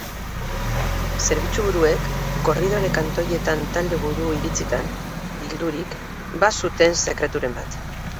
Zerbitzuburuek, korridore-kantoietan talde buru-iritzitan bildurik, bazuten sekreturen bat.